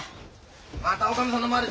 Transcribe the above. またおかみさんの周り